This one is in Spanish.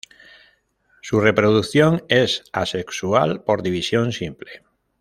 Su reproducción es asexual por división simple.